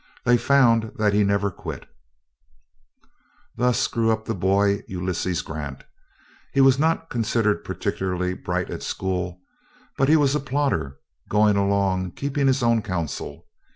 They found that he never quit. Thus grew up the boy, Ulysses Grant. He was not considered particularly bright at school, but he was a plodder, going along keeping his own counsel.